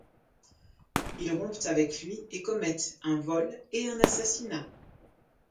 Ils rompent avec lui et commettent un vol et un assassinat.